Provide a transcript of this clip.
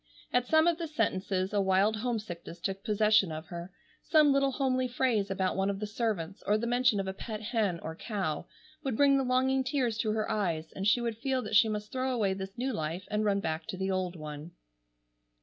At some of the sentences a wild homesickness took possession of her. Some little homely phrase about one of the servants, or the mention of a pet hen or cow, would bring the longing tears to her eyes, and she would feel that she must throw away this new life and run back to the old one.